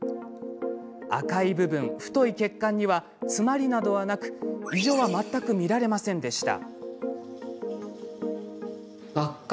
赤い部分、太い血管には詰まりなどはなく異常は全く見られませんでした。